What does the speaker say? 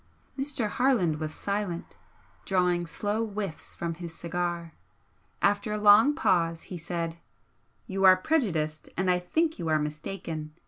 Mr. Harland was silent, drawing slow whiffs from his cigar. After a long pause, he said "You are prejudiced, and I think you are mistaken.